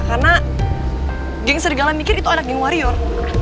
karena geng sirgala mikir itu anak geng warrior